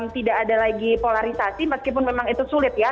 tidak ada lagi polarisasi meskipun memang itu sulit ya